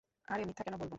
আরে, মিথ্যা কেন বলব?